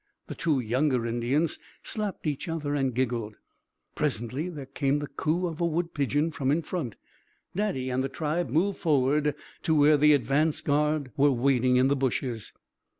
The two younger Indians slapped each other and giggled. Presently there came the "coo" of a wood pigeon from in front. Daddy and the tribe moved forward to where the advance guard were waiting in the bushes.